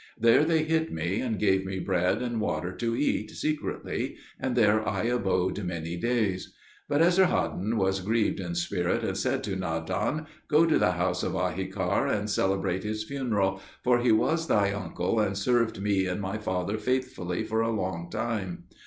There they hid me, and gave me bread and water to eat, secretly, and there I abode many days. But Esarhaddon was grieved in spirit, and said to Nadan, "Go to the house of Ahikar and celebrate his funeral, for he was thy uncle, and served me and my father faithfully for a long time."